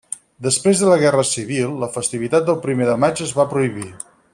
Després de la Guerra Civil, la festivitat del Primer de maig es va prohibir.